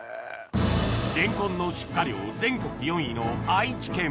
レンコンの出荷量全国４位の愛知県